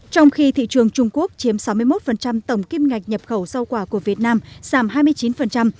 trong khi thị trường trung quốc chiếm sáu mươi một tổng kim ngạch nhập khẩu rau quả của việt nam giảm hai mươi chín